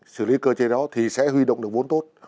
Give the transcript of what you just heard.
xử lý cơ chế đó thì sẽ huy động được vốn tốt